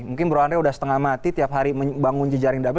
mungkin bro andre sudah setengah mati tiap hari bangun jejaring dapl